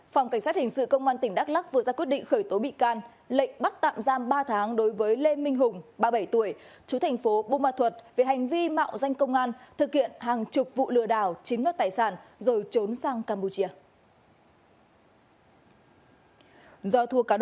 phòng cảnh sát hình sự công an tỉnh đắk lắc vừa ra quyết định khởi tố bị can lệnh bắt tạm giam ba tháng đối với lê minh hùng ba mươi bảy tuổi chú thành phố bù ma thuật về hành vi mạo danh công an thực hiện hàng chục vụ lừa đảo chiếm đoạt tài sản rồi trốn sang campuchia